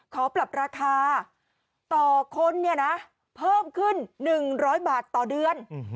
ขอปรับราคาต่อคนเนี่ยนะเพิ่มขึ้น๑๐๐บาทต่อเดือน